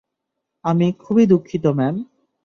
আমি খুবই দুঃখিত, ম্যাম।